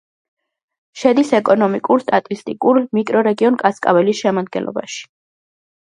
შედის ეკონომიკურ-სტატისტიკურ მიკრორეგიონ კასკაველის შემადგენლობაში.